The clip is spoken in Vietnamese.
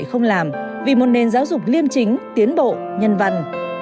không làm vì một nền giáo dục liêm chính tiến bộ nhân văn